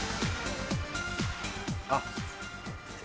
あっ。